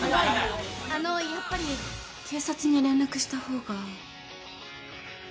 あのやっぱり警察に連絡した方が。